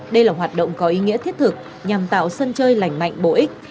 đây là hoạt động có ý nghĩa thiết thực nhằm tạo sân chơi lành mạnh bổ ích